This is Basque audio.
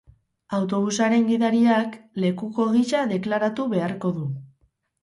Autobusaren gidariak lekuko gisa deklaratu beharko du.